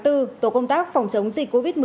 tổ công tác phòng chống dịch covid một mươi chín